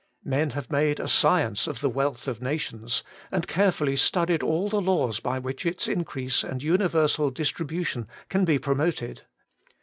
Men have made a science of the wealth of nations, and carefully studied all the laws by which its increase and uni versal distribution can be promoted.